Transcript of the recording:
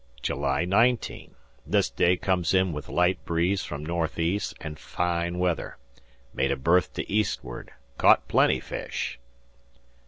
"July 19. This day comes in with light breeze from N.E. and fine weather. Made a berth to eastward. Caught plenty fish.